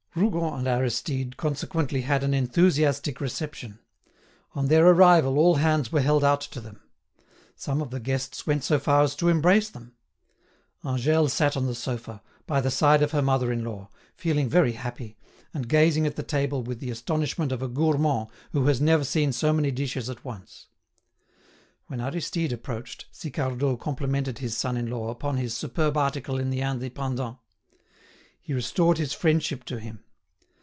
Rougon and Aristide consequently had an enthusiastic reception; on their arrival all hands were held out to them. Some of the guests went so far as to embrace them. Angèle sat on the sofa, by the side of her mother in law, feeling very happy, and gazing at the table with the astonishment of a gourmand who has never seen so many dishes at once. When Aristide approached, Sicardot complimented his son in law upon his superb article in the "Indépendant." He restored his friendship to him.